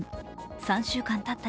３週間たった